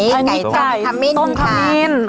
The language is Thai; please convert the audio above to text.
อันนี้ไก่ต้มคามินค่ะอันนี้ไก่ต้มคามินค่ะ